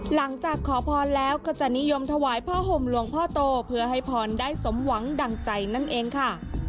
หลังจากขอพรแล้วก็จะนิยมถวายผ้าห่มหลวงพ่อโตเพื่อให้พรได้สมหวังดั่งใจนั่นเองค่ะ